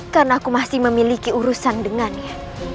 karena aku masih memiliki urusan dengannya